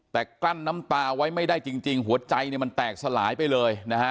แต่กรั้นน้ำตาไว้ไม่ได้จริงหัวใจก็แตกสลายไปเลย